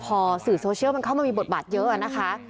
พอสื่อโซเชียลมันเข้ามามีบทบาทเยอะนะคะ